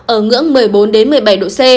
ở ngưỡng một mươi bốn một mươi bảy độ c